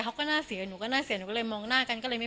เขาก็น่าเสียหนูก็น่าเสียหนูก็เลยมองหน้ากันก็เลยไม่